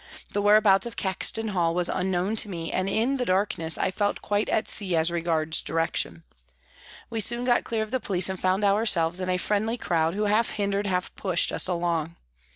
The whereabouts of Caxton Hall was unknown to me, and in the darkness I felt quite at sea as regards direction. We soon got clear of the police and found ourselves in a friendly crowd who half hindered, half pushed, us along.